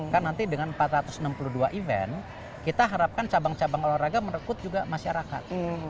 kan nanti dengan empat ratus enam puluh dua event kita harapkan cabang cabang olahraga merekrut juga masyarakat